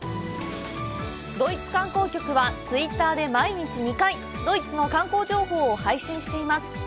ドイツ観光局は、ツイッターで毎日２回ドイツの観光情報を配信しています。